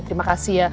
terima kasih ya